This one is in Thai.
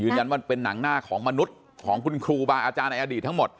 มันเป็นหนังหน้าของมนุษย์ของคุณครูบาอาจารย์ในอดีตทั้งหมด